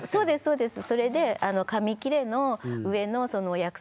そうです。